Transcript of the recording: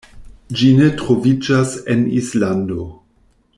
Ĝi ne troviĝas en Islando.